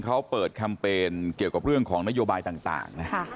เขาเปิดแคมเปญเกี่ยวกับเรื่องของนโยบายต่างนะ